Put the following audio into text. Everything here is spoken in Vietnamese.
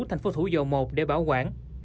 thành phố thủ dầu một để bảo quản